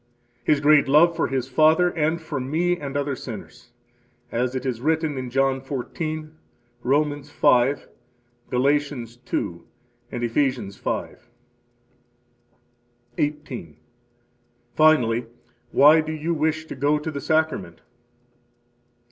His great love for His Father and for me and other sinners, as it is written in John 14; Romans 5; Galatians 2 and Ephesians 5. 18. Finally, why do you wish to go to the Sacrament?